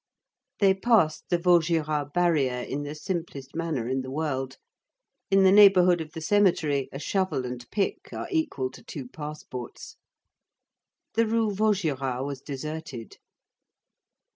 They passed the Vaugirard barrier in the simplest manner in the world. In the neighborhood of the cemetery, a shovel and pick are equal to two passports. The Rue Vaugirard was deserted.